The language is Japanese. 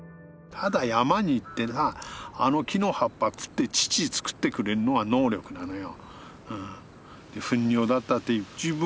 ただ山に行ってなあの木の葉っぱ食って乳作ってくれるのが能力なのよ。